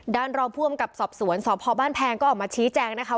ดันรอภวมกับสอบสวนสอบพ่อบ้านแพงก็ออกมาชี้แจลแจงนะคะ